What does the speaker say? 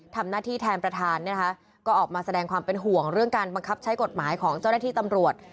ทำหน้าที่แทนประธานเนี่ยนะคะก็ออกมาแสดงความเป็นห่วงเรื่องการบังคับใช้กฎหมายของเจ้าหน้าที่ตำรวจ